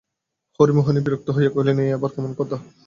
হরিমোহিনী বিরক্ত হইয়া কহিলেন, এ আবার কেমন কথা।